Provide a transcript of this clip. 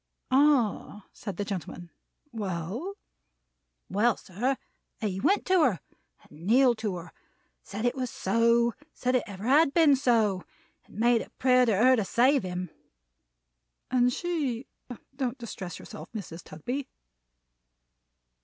"Ah!" said the gentleman. "Well?" "Well, sir, he went to her, and kneeled to her; said it was so; said it ever had been so; and made a prayer to her to save him." "And she? Don't distress yourself, Mrs. Tugby."